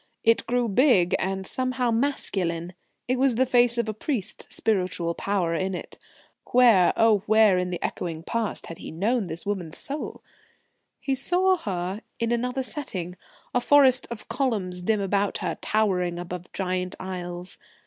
It grew big and somehow masculine. It was the face of a priest, spiritual power in it. Where, oh where in the echoing Past had he known this woman's soul? He saw her in another setting, a forest of columns dim about her, towering above giant aisles.